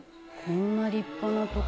「こんな立派な所」